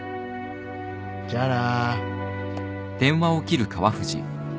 じゃあな。